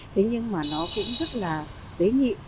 thế nhưng mà nó cũng rất là tế nhị